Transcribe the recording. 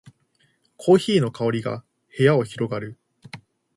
コーヒーの香りが部屋に広がる